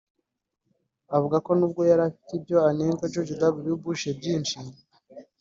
yavuze ko nubwo yari afite ibyo anenga George W Bush byinshi